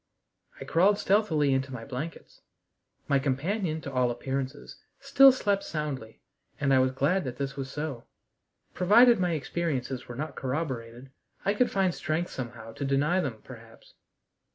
I crawled stealthily into my blankets. My companion, to all appearances, still slept soundly, and I was glad that this was so. Provided my experiences were not corroborated, I could find strength somehow to deny them, perhaps.